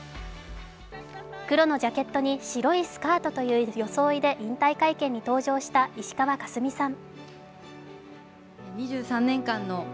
黒のジャケットに白いスカートという装いで引退会見に登場した石川佳純さん。